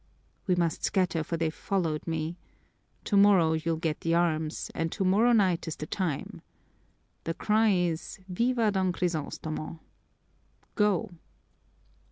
"We must scatter, for they've followed me. Tomorrow you'll get the arms and tomorrow night is the time. The cry is, 'Viva Don Crisostomo!' Go!"